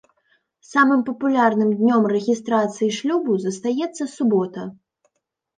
Самым папулярным днём рэгістрацыі шлюбу застаецца субота.